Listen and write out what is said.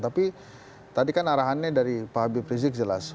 tapi tadi kan arahannya dari pak habib rizik jelas